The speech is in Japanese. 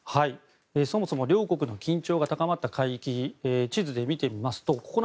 そもそも両国の緊張が高まった海域を地図で見てみますと、こちら。